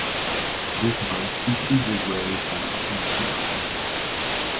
This bird species is rarely found on the ground.